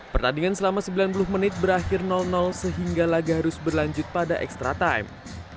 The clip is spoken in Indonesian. pertandingan selama sembilan puluh menit berakhir sehingga laga harus berlanjut pada extra time